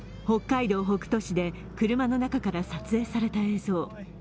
北海道北斗市で車の中から撮影された映像。